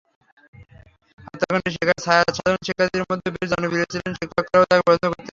হত্যাকাণ্ডের শিকার সায়াদ সাধারণ শিক্ষার্থীদের মধ্যেও বেশ জনপ্রিয় ছিলেন, শিক্ষকেরাও তাঁকে পছন্দ করতেন।